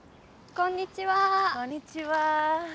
こんにちは。